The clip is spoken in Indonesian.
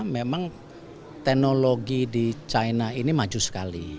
memang teknologi di china ini maju sekali